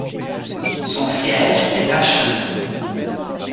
Son siège est Ashland.